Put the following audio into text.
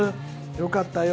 よかったよ。